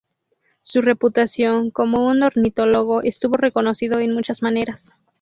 Su reputación como un ornitólogo estuvo reconocido en muchas maneras.